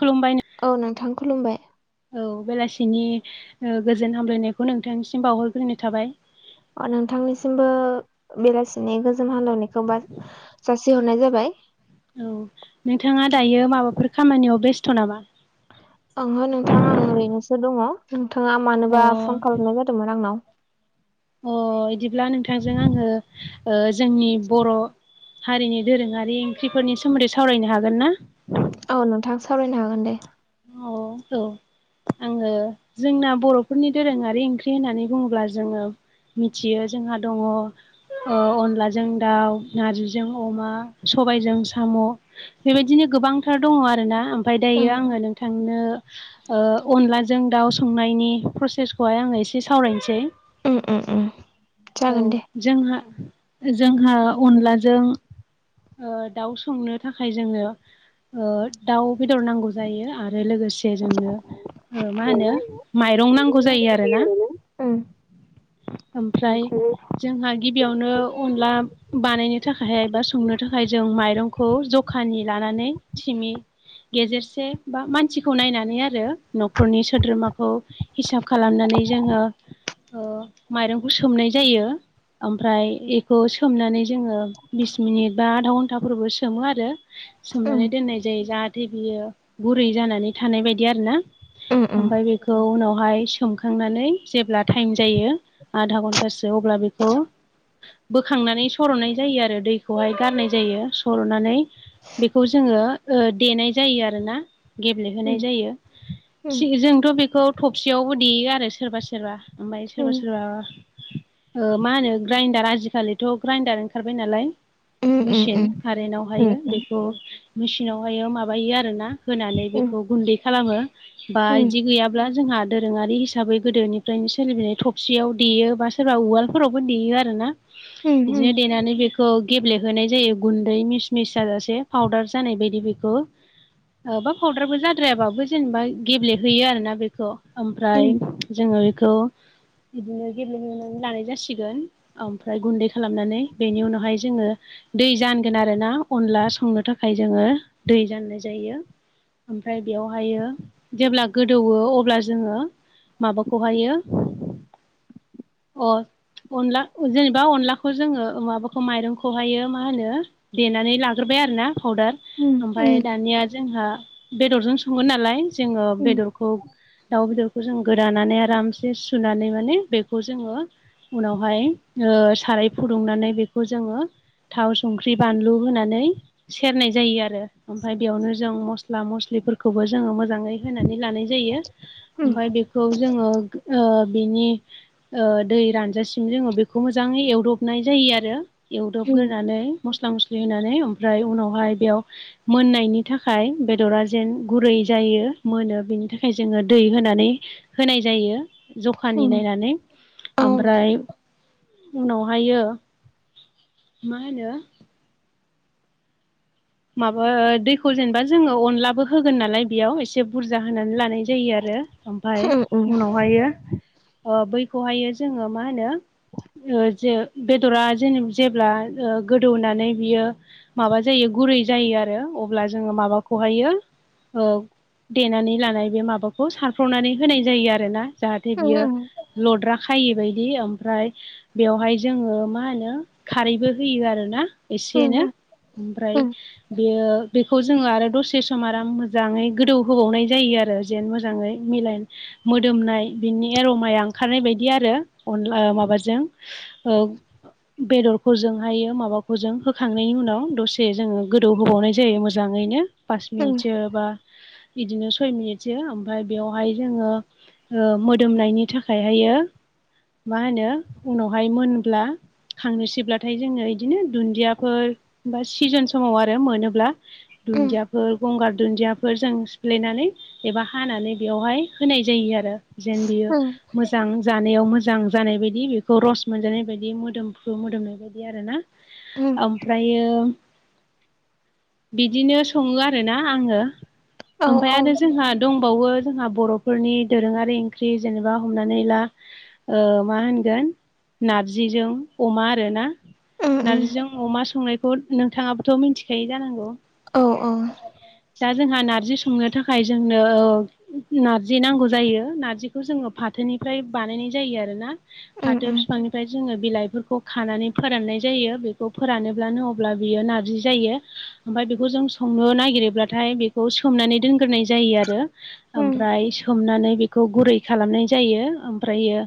खुलुमबायनो औ नोंथां खुलुमबाय औ बेलासिनि गोजोन हामलायनायखौ नोंथांसिम बावहरग्रोनो थाबाय अ नोंथांनिसिमबो बेलासिनि गोजोम हामलायनायखौ जासिहरनाय जाबाय औ नोंथाङा दायो माबाफोर खामानियाव बेस्थ नामा ओंहो नोंथां आं ओरैनोसो दङ नोंथाङा अ मानोबा फन खालामनाय जादोंमोन आंनाव अ बिदिब्ला नोंथांजों आङो जोंनि बर' हारिनि दोरोङारि ओंख्रिफोरनि सोमोन्दै सावरायनो हागोनना औ नोंथां सावरायनो हागोन दे औ औ आङो जोंना बर'फोरनि दोरोङारि ओंख्रि होननानै बुङोब्ला जोङो मिथियो जोंहा दङ अनलाजों दाउ नारजिजों अमा सबायजों साम बेबायदिनो गोबांथार दङ आरोना ओमफफ्राय दायो उम आङो नोंथांनो ओ अनलाजों दाउ संनायनि प्रसेसखौहाय आङो एसे सावरायनोसै उम उम औ जागोन दे जोंहा जोंहा अनलाजों ओ दाउ संनो थाखाय जोङो ओ दाउ बेदर नांगौ जायो आरो आरो लोगोसे जोङो ओ मा होनो माइरं नांगौ जायो आरोना ओमफ्राय ओंख्रि जोंहा गिबियावनो अनला बानायनो थाखाय एबा संनो थाखाय जों माइरंखौ ज जखानि लानानै टिमि गेजेरसे बा मानसिखौ नायनानै आरो न'खरनि सोद्रोमाखौ हिसाब खालामनानै जोङो माइरंखौ सोमनाय जायो ओमफ्राय इखौ सोमनानै जोङो बिस मिनिट बा आधा घन्टाफोरबो सोमो आरो उम सोमनानै दोननाय जायो जाहाथे बियो गुरै जानानै थानाय बायदि आरोना उम उम ओमफ्राय बे खौ उनावहाय सोमखांनानै जेब्ला टाइम जायो आधा घन्टासो अब्ला बेखौ बोखांनानै सरनाय जायो आरो दैखौहाय गारनाय जायो सरनानै बेखौ जोङो ओ देनाय जायो आरोना गेब्ले होनाय उम जायो उम जोंथ बेखौ थबसियावबो देयो आरो सोरबा सोरबा ओमफ्राय उम सोरबा सोरबा ओ मा होनो ग्राइडार आजिखालिथ ग्राइडार ओंखारबाय नालाय उम उम उम मेसिन औ उम कारेन्टवहायो बेखौ मेसिनावहायो माबायो आरोना होनानै बेखौ गुन्दै खालामो बा बिदि गैयाब्ला जोंहा दोरोङारि हिसाबै गोदोनिफ्रायनो सोलिबोनाय थबसियाव देयो बा सोरबा उवालफोरावबो देयो आरोना बिदिनो देनानै बेखौ गेब्लेबहोनाय जायो गुन्दै मिस मिस जाजासे पाउदार जानाय बायदि बेखौ ओ बा पाउदारबो जाद्रायाबाबो जेनेबा गेब्लेहैयो आरोना बेखौ ओमफ्राय जोङो बेखौ बिदिनो गेब्लेहोनानै लानाय जासिगोन ओमफ्राय गुन्दै खालामनानै बेनि उनावहाय जोङो दै जानगोन आरोना अनला संनो थाखाय जोङो दै जाननाय जायो ओमफ्राय बेयावहायो जेब्ला गोदौवो अब्ला जोङो माबाखौहायो अ अनला जेनेबा अनलाखौ जोङो माबाखौ माइरंखौहायो मा होनो देनानै लाग्रोबाय आरोना फाउदार ओमफ्राय दानिया जोंहा बेदरजों सङो नालाय जोङो बेदरखौ दाउ बेदरखौ जों गोदानानै आरामसे सुनानै माने बेखौ जोङो उनावहाय ओ साराय फुदुंनानै बेखौ जोङो थाव संख्रि बानलु होनानै सेरनाय जायो आरो ओमफ्राय बेयावनो। जों मस्ला मस्लिफोरखौबो जोङो मोजाङै होनानै लानाय जायो ओमफ्राय बे खौ जोङो ओ बिनि ओ दै रानजासिम जोङो बेखौ मोजाङै एवदबनाय जायो आरो। एवदबग्रोनानै मस्ला मस्लि होनानै ओमफ्राय उनावहाय बेयाव मोननायनि। थाखाय बेदरा जेन गुरै जायो मोनो बिनि थाखाय जोङो दै होनानै। होनाय जायो जखानि नायनानै। ओमफ्राय उनावहायो मा होनो। माबा दैखौ जेनेबा जोङो अनलाबो होगोन नालाय बेयाव एसे बुरजा होनानै लानाय जायो आरो। ओमफाय उनावहाय बैखौहायो जोङो मा होनो। जे बेदरा जेन जेब्ला गोदौनानै बियो। माबा जायो गुरै जायो आरो अब्ला जोङो माबाखौ हायो। औ देनानै लानाय बे माबाखौ सारफ्रावनानै होनाय जायो आरोना। जाहाथे बियो लद्रा खायै बायदि ओमफ्राय बेवहाय जोङो मा होनो खारैबो होयो आरोना। एसे एनो ओमफ्राय बेयो बेखौ जोङो आरो दसे सम आराम मोजाङै गोदौ होबावनाय जायो आरो। जेन मोजाङै मिलाय मोदोमनाय बिनि एरमाया ओंखारनाय बायदि आरो अनला माबाजों। बेदरखौ जों हायो माबाखौ जों होखांनायनि उनाव दसे जोङो। गोदौ होबावनाय जायो मोजाङैनो पास मिनिटसो बा बिदिनो सय मिनिटसो ओमफ्राय बेवहाय जोङो। ओ मोदोमनायनि थाखायहायो मा होनो उनावहाय मोनब्ला। खांनोसैब्लाथाय जोङो बिदिनो दुन्दियाफोर बा सिजोन समाव आरो मोनोब्ला उम दुन्दियाफोर गंगार दुन्दियाफोर जों सिफ्लेनानै एबा। हानानै बेयावहाय होनाय जायो आरो जेन बियो उम मो मोजां जानायाव मोजां जानाय बायदि बेखौ रस मोनजानाय बायदि मोदोमफ्रु मोदोमनाय बायदि आरोना। उम ओमफ्रायो बिदिनो सङो आरोना आङो औ ओमफ्राय औ आरो जोंहा दं। ह बावो जोंहा बर'फोरनि दोरोङारि ओंख्रि जेनेबा हमनानै ला मा होनगोन नारजिजों अमा आरो ना उम उम नारजिजों अमा संनायखौ नोंथाङाबोथ' मिथिखायो जानांगौ। औ औ। दा जोंहा नारजि संनो थाखाय जोंनो नारजि नांगौ जायो नारजिखौ जोङो फाथोनिफ्राय बानायनाय जायो आरो ना। उम फाथो उम बिफांनि ओमफ्राय जोङो बिलाइफोरखौ खानानै फोराननाय जायो बेखौ फोरानोब्लानो अब्ला बियो नार्जि जायो ओमफफ्राय बेखौ जों संनो नागिरोब्लाथाय बेखौ सोमनानै दोनग्रोनाय जायो आरो। उम ओमफ्राय सोमनानै बेखौ गुरै खालामनाय जायो ओमफ्रायो।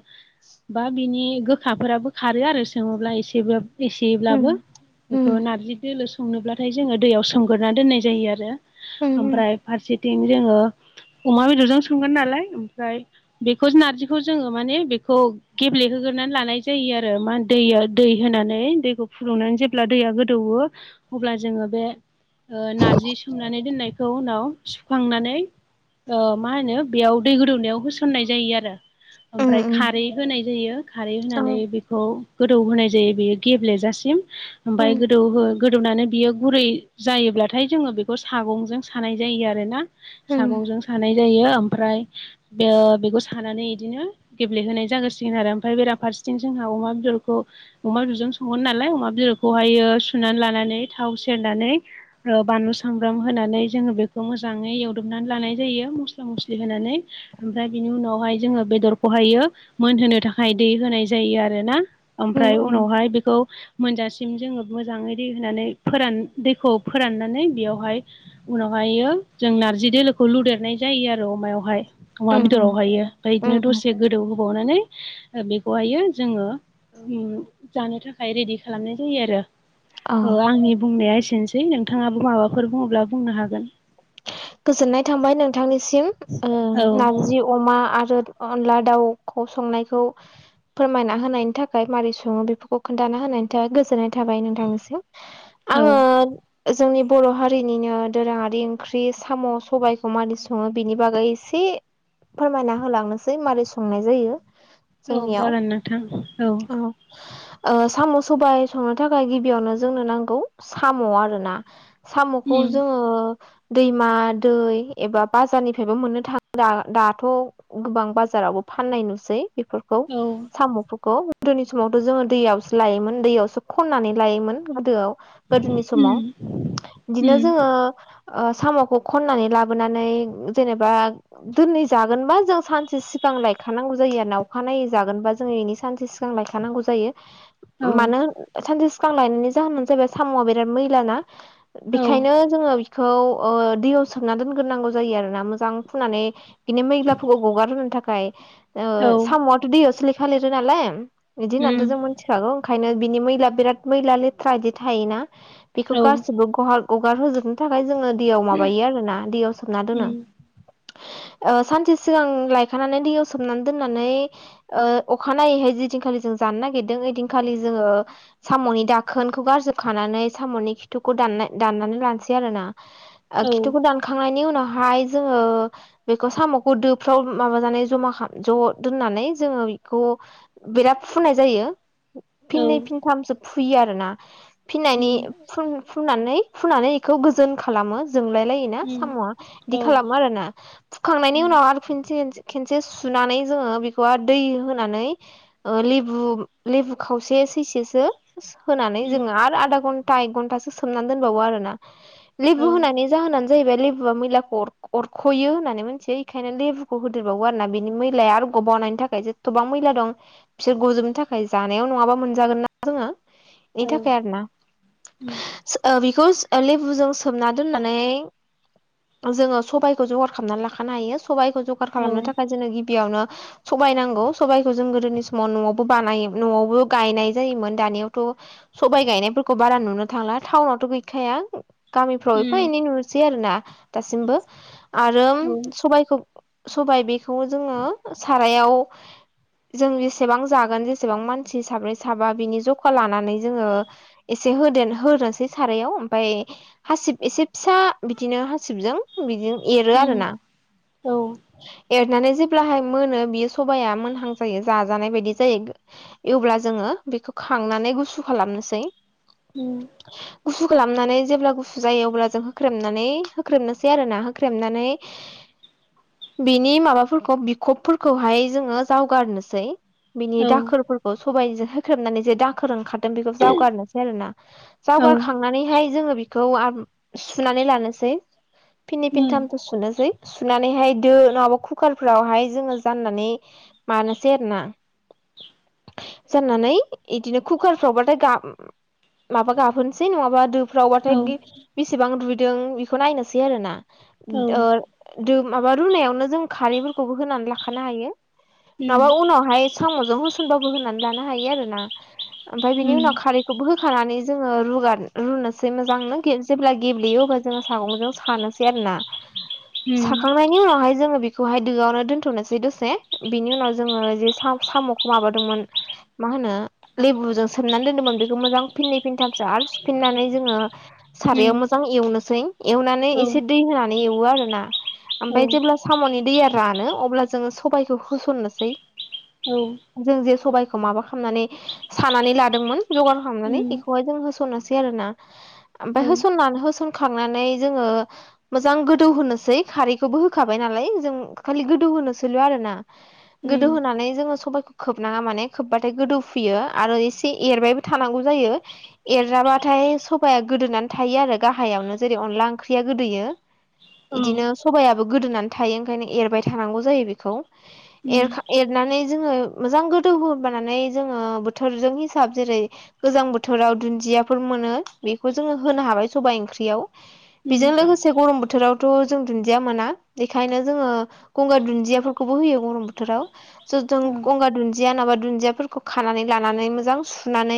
बा बिनि गोखाफोराबो खारो आरो सोङोब्ला एसेबो। उम एसेब्लाबो बेखौ नार्जि दोलो संनोब्लाथाय जोङो दैयाव सोमगोरोना दोननाय जायो आरो। उम ओमफ्राय फारसेथिं जोङो अमा बेदरजों सोमगोन नालाय ओमफ्राय। बेखौ नारजिखौ जोङो माने बेखौ। गेब्लेहोग्रानै लानाय जायो आरो मा दैया दै होनानै दैखौ फुदुंनानै जे ला दैैया गोद अब्ला जोङो बे नारजि सोमनानै दोननायखौ उनाव। होखांनानै मा होनो बेयाव दै गोदौनायाव होसननाय जायो आरो। उम ओमफ्राय उम खारै होनाय जायो खारै औ होनानै बि खौ गोदौ होनाय जायो बेयो गेब्लेजासिम उम ओमफ्राय गोदौ गोदौनानै बियो गुरै जायोब्लाथाय जोङो बेखौ सागंजों सानाय जायो आरोना। उम सागंजों सानाय जायो ओमफ्राय बे बेखौ सानानै बिदिनो गे्लेहोनाय जागोरसिगोन आरो ओमफ्राय बेराफारसेथिं जोंहा अमा बेदरखौ अमा बेदरजों संगोन नालाय अमा बेदरखौहायो सुनानै लानानै थाव सेरनानै बानलु सामब्राम होनानै जोङो बेखौ मोजाङै एवदबनानै लानाय जायो मस्ला मस्लि होनानै ओमफ्राय बिनि उनावहाय जोङो बेदरखौहायो मोनहोनो थाखाय दै होनाय जायो आरोना उम ओमफ्राय उनावहाय बेखौ मोनजासिम जोङो मोजाङै दै होनानै फोरान दैखौ फोराननानै बेयावहाय उनावहायो जों नारजि दोलोखौ लुदेरनाय जायो आरो अमायावहाय अमा उम बेदराव हायो ओमफफ्राय उम बिदिनो उम दसे गोदौ होबावनानै बेखौहायो जोङो जानो थाखाय रेडि खालामनाय जायो आरो औ आंनि बुंनाया एसेनोसै नोंथाङाबो माबाफोर बुङोब्ला बुंनो हागोन गोजोननाय थांबाय नोंथांनिसिम औ नारजि अमा आरो अनला दाउखौ संनायखौ फोरमायना होनायनि थाखाय माबोरै सङो बेफोरखौ खोनथा होनायनि थाखाय गोजोननाय थाबाय नोंथांनिसिम औ आङो जोंनि बर' हारिनिनो दोरोङारि ओंख्रि बे साम' सबायाइखौ मानि सङो बेनि बागै एसे फोरमायना होलांनोसै मारै संनाय जायो औ जागोन नोंथां जोंनियाव औ साम' सबाय संनो थाखाय गिबियावनो जोंनो नांगौ। साम' आरो ना साम'खौ उम जोङो दैमा दै एबा बाजारनिफ्रायबो मोननो थाङो दाथ' गोबां बाजारावबो फाननाय नुसै बेफोरखौ औ साम'फोरखौ। गोदोनि समावथ' जोङो दैयावसो लायोमोन दैयावसो खननानै लायोमोन गोदोआव। गोदोनि समाव उम बिदिनो उम जोङो साम'खौ खननानै लाबोनानै जेनेबा दोननै जागोनबा जों सानसे सिगां लायखानांगौ जायो आरोा अखानायनायै जागोनबा जों एनि सानसे सि गां लायखानांगौ जायो औ मानो सानसे सिगां लायनायनि जाहोनानो जाहैबाय साम'आ बिराद मैला ना औ बेखायनो जोङो बिखौ दैयाव सोमना दोनग्रोनांगौ जायो आरो ना मोजां सुनानै बिनो मैग्लाफोरखौ गगारहोनो थाखाय औ साम'आथ' दैयावसो लेखा लिरो नालाय। बिदि उम होननानैथ' जों मिथिखागौ ओंखायनो बिनि मैला बिराद मैला लेथ्रा बिदि थायोना। बेखौ औ गासिबो गार गगार होजोबनो थाखाय जोङो दैयाव माबायो आरोना दैयाव सोमना दोनो। उम सानसे सिगां लायखानानै दैयाव सोमनानै दोननानै। अखानायैहाय जदिनखालि जों जानो नागिरदों ओइदिनखालि जोङो साम'नि दाखोनखौ गारजोबखानानै साम'नि खिथुखौ दान दाननानै लानोसै मोन आरो ना औ खिथुखौ दानखांनायनि उनावहाय जोङो बेखौ साम'खौ दोफ्राव माबाजानाय जमा खालाम ज' दोननानै जोङो बेखौ बिराद फुनाय जायो औ फिननै फिनथामसो फुयो आरोना फिनायनि उम फुननानै फुनानै बेखौ गोजोन खालामो जोंलाय लाय़ उम साम'आ औ बिदि उम खालामो आरोना फुखांनायनि उनाव आरो खसे खेनसे सुनानै जोङो बेखौ दै होनानै लेबु लेबु खावसे सैसेसो होनानै उम जोङो आरो आधा घन्टा एक घन्टासो सोमनानै दोनबावो आरो ना। औ लेबु होनानै जाहोनानो जाहैबाय लेबुआ मैला अर ख'यो होननानै मिथियो बेखायनो लेबुखौ होदेरबावो आरोना बिनि मैलाया आरोग बावनायनि थाखायसो गोबां मैला दं बिसोर गजोबनो थाखाय जानायाव नङाबा मोनजागोन ना जोङो बेनि औ थाखाय आरोना उम बेखौ लेबुजों सोमना दोननानै जोङो सबाइखौ जगार खालामनानै लाखानो हायो सबाइखौ जगार औ खालामनो उम औ थाखाय जोङो गिबियावनो सबायाइ नांगौ सबायखौ जों गोदोनि समाव न'आवबो बानायोमोन न'आवबो गायनाय जायोमोन दानियावथ' सबाय गायनायफोरखौ बारा नुनो थांला टाउनावथ' गै मिखाया गामिफ्राव उम एफा एनै नुनोसै आरो ना। दासिमबो आरो सबायखौ सबाय बेखौ जोङो। मायाव जों जेसेबां जागोन जेसेबां मानसि साब्रै साबा बिनि जखा लानानै जोङो। एसे होद होसै सारायाव। ओमफ्राय हासिब एसे फिसा बिदिनो हासिबजों। बिदि औ एरो उम आरो ना। औ एरनानै जेब्लाहाय मोनो बियो सबाया मोनहां जायो जाजानाय बायदि जायो। अब्ला जोङो बेखौ खांनानै गुसु खालामनोसै। उम उम हो खालामनानै जेब्ला गुसु जायो अब्ला जों होख्रेमनानै होख्रेबनोसै आरो ना होख्रेबनानै। बिनि माबाफोरखौ बिखबफोरखौहाय जोङो जावगारनोसै। बिनि औ उम औ दाखोरफोरखौ सबायजों होख्रेबनानै जे दाखोर ओंखार। बेखौ जावगारनोसै आरोोना उम जावगारखांनानैहाय जोङो बेखौ सुनानै लानोसै फिननि फिनथामथ' सुनोसै सुनानैहाय दो नङाबा कुकारफ्रावहाय जोङो जाननानै लानोसै आरोना जाननानै बिदिनो कुकारफ्रावबाथाय माबा गाबहोनोसै सै नङाबा दोफ्रावबाथाय बेसेबां दुइैदों बेखौ नायनोसै आरो ना ओ माबा रुनायावनो जों खारैफोरखौबो होनानै लाखानो हायो माबा उनावहाय साम'जों होसनबाबो होनानै लानो हायो आरोना ओमफफ्राय बिनि उम उनाव खारैखौबो होखानानै जोङो र रुनोसै मोजां ननो जेब्ला गेब्लेयो अब्ला जोङ सागंजों सानोसै आरो ना? उम साखांनायनि उनावहाय जोङो बेखौहाय दोआवनो दोनथ'नोसै दसे। बिनि उनाव जोङो जे साम'खौ माबादोंमोन। मा होनो लेबुजों सोमनानै दोनदोंमोन बेखौ मोजां फिनै फिनथामसो आरो। हफिननानै जोङो उम सारायाव मोजां एवनोसै एवनानै औ एसे दै होनानै एवो आरो ना? औ ओमफ्राय जेब्ला साम'नि दैया रानो अब्ला जोङो सबायखौ होसननोसै औ जों जे सबायखौ माबा खालामनानै सानानै लादोंमोन जगार खालामनानै उम बेखौहाय जों सै आरो ना ओमफ्राय औ होसननानै होसनखांनानै जोङो मोजां गोदौ होनोसै खारैखौबो होखाबाय नालाय जों खालि गोदौ होनोसैल' आरो ना गोदौ उम होनानै जोङो सबायखौ खोबनाङा माने खोबबाथाय गोदौफैयो आरो एसे एरबायबो थानांगौ जायो एरजाबा नाथाय सबाया गोदोनानै थायो आरो गाहायावनो जेरै अनला ओंख्रिया गोदोयो औ इदिनो सबायाइाबो गोदोनानै थायो ओंखायनो एरबाय थानांगौ जायो बेखौ उम एरखा एरनानै जोङो मोजां गोदौहोबानानै जोङो बोथोरजों हिसाब जेरै गोजां बोथोराव दुन्दिया मोनो बेखौ जोङो होनो हाबाय सबाय ओंख्रियाव उम बेजों लोगोसे एसे गरम बोथोरावथ' जों दुन्दिया मोना बेखायनो जोङो गंगार दुन्दियाफोरखौबो होयो गरम बोथोराव ज' जों औ गंगार दुन्दिया नाबा दुन्दियाफोरखौ खानानै लानानै मोजां सुनानै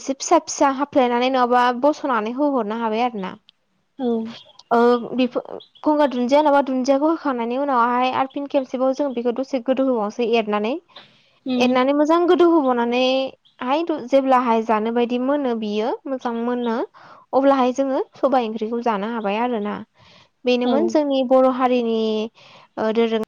एसे फिसा फिसा हाफ्लायनानै नङाबा बस'नानै होहरनो हाबाय आरो ना औ ओ बिफ फोरखौ गंगार दुन्दिया होनाबा दुन्दियाखौ होखांनायनि उनावहाय आर फिन खेबसेबाव जों बेखौ दसे गोदौ होबावनोसै एरनानै उम एरनानै मोजां गोदौ होबावनानै हाय जेब्लाहाय जानो बायदि मोनो बियो मोजां मोनो अब्लाहाय जोङो सबाय ओंख्रिखौ जानो हाबाय आरो ना बेनोमोन औ जोंनि बर' हारिनि ओ दोरों